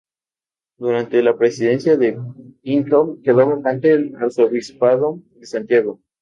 Durante la presidencia de Pinto quedó vacante el arzobispado de Santiago.